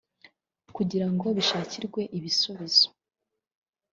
kugira ngo bishakirwe ibisubizo